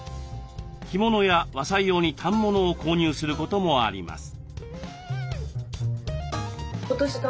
着物や和裁用に反物を購入することもあります。